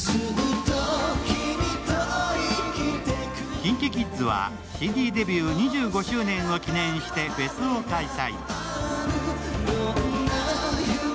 ＫｉｎＫｉＫｉｄｓはＣＤデビュー２５周年を記念してフェスを開催。